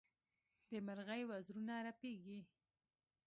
د مرغۍ وزرونه رپېږي.